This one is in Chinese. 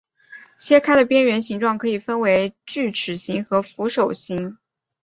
切开的边缘形状可以分为锯齿形和扶手椅形。